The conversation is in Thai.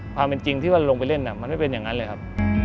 ความจริงที่นี่เราลงไปเล่นมันไม่ได้เป็นแบบนั้นเลยครับ